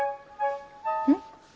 うん？